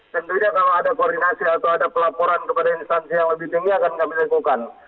tentunya kalau ada koordinasi atau ada pelaporan kepada instansi yang lebih tinggi akan kami lakukan